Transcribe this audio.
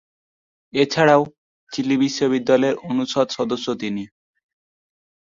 এছাড়াও, চিলি বিশ্ববিদ্যালয়ের অনুষদ সদস্য তিনি।